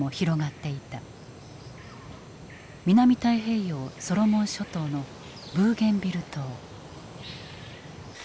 南太平洋ソロモン諸島のブーゲンビル島。